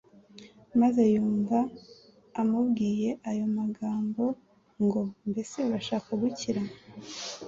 maze yumva amubwiye aya amagambo ngo, “Mbese urashaka gukira?